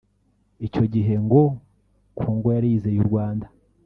Icyo gihe ngo Congo yari yizeye u Rwanda